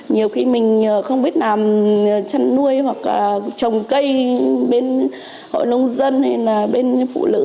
nhiều khi mình không biết làm chăn nuôi hoặc trồng cây bên hội nông dân hay là bên phụ nữ